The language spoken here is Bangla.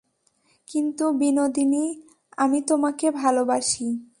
কিন্তু বিনোদিনী, আমি তোমাকে ভালোবাসি।